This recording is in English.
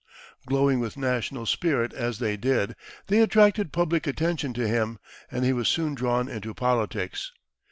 Glowing with national spirit as they did, they attracted public attention to him, and he was soon drawn into politics.